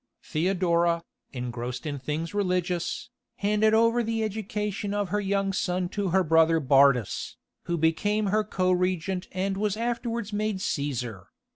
Theodora, engrossed in things religious, handed over the education of her young son to her brother Bardas, who became her co regent and was afterwards made Caesar.